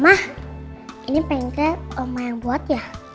mama ini pancake mama yang buat ya